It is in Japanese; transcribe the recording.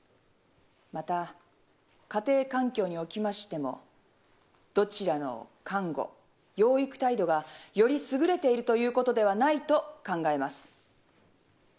また家庭環境におきましてもどちらの監護養育態度がより優れているということではないと考えます。